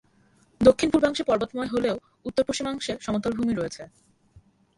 দক্ষিণ-পূর্বাংশে পর্বতময় হলেও উত্তর-পশ্চিমাংশে সমতলভূমি রয়েছে।